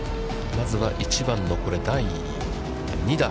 まずは１番のこれ、第２打。